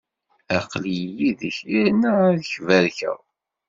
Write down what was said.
Aql-i yid-k, yerna ad k-barkeɣ.